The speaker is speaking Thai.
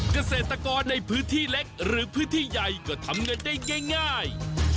เกษตรกรในพื้นที่เล็กหรือพื้นที่ใหญ่ก็ทำเงินได้ง่าย